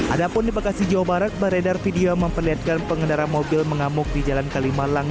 ada pun di bekasi jawa barat beredar video memperlihatkan pengendara mobil mengamuk di jalan kalimalang